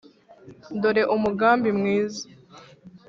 dore umugambi mwiza